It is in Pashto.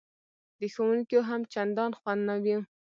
د ښوونکیو هم چندان خوند نه و.